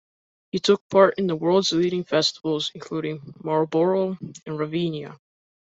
He took part in the world's leading festivals, including Marlboro and Ravinia.